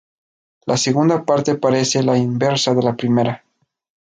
La segunda parte parece la inversa de la primera.